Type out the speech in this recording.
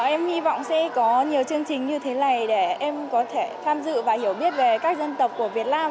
em hy vọng sẽ có nhiều chương trình như thế này để em có thể tham dự và hiểu biết về các dân tộc của việt nam